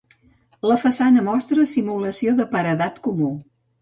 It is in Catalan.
La façana mostra simulació de paredat comú.